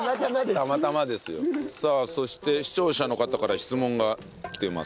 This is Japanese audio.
たまたまですよ。さあそして視聴者の方から質問が来てますね。